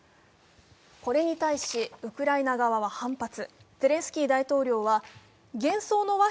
これに対し、ウクライナ側は反発。